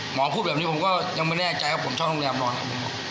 หมอพูดแบบนี้ผมก็ยังไม่แน่ใจว่าผมเช่าโรงแรมนอนครับผม